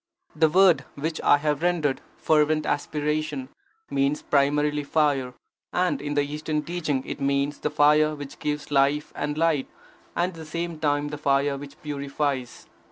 The word which I have rendered "fervent aspiration" means primarily "fire"; and, in the Eastern teaching, it means the fire which gives life and light, and at the same time the fire which purifies.